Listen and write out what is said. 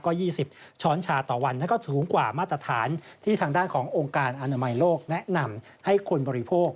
ก็๒๐ช้อนชาต่อวันนั้นก็สูงกว่ามาตรฐานที่ทางด้านขององค์การอนามัยโลกแนะนำให้คนบริโภค